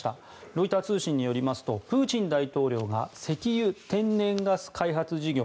ロイター通信によりますとプーチン大統領が石油・天然ガス開発事業